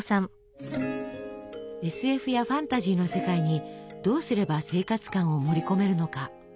ＳＦやファンタジーの世界にどうすれば生活感を盛り込めるのか。